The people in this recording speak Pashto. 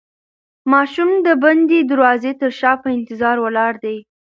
ماشوم د بندې دروازې تر شا په انتظار ولاړ دی.